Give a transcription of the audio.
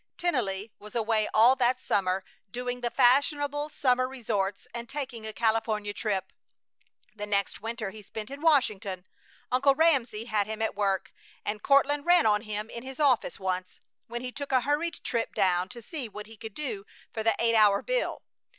Tennelly was away all that summer, doing the fashionable summer resorts and taking a California trip. The next winter he spent in Washington. Uncle Ramsey had him at work, and Courtland ran on him in his office once, when he took a hurried trip down to see what he could do for the eight hour bill.